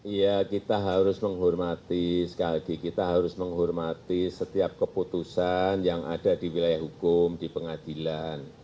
ya kita harus menghormati sekali lagi kita harus menghormati setiap keputusan yang ada di wilayah hukum di pengadilan